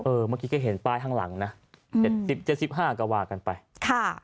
เออเมื่อกี้ก็เห็นป้ายทางหลังนะอืมเจ็ดสิบห้ากว่ากันไปค่ะ